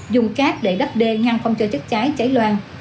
dùng cát để đắp đê ngăn không cho chất cháy cháy loang